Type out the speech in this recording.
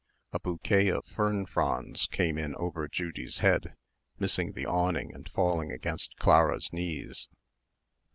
A bouquet of fern fronds came in over Judy's head, missing the awning and falling against Clara's knees.